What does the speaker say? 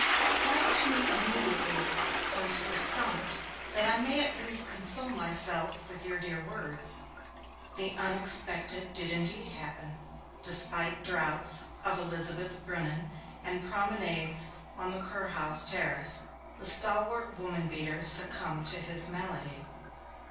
Write to me immediately Poste Restante, that I may at least console myself with your dear words.' The unexpected did indeed happen. Despite draughts of Elizabeth brunnen and promenades on the Kurhaus terrace, the stalwart woman beater succumbed to his malady.